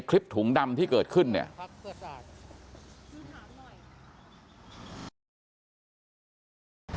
ถุงดำที่เกิดขึ้นเนี่ย